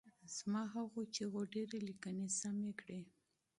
زما غو چیغو ډېرو لیکني سمې کړي.